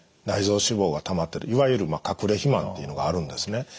内臓脂肪がたまってるいわゆる隠れ肥満っていうのがあるんですね。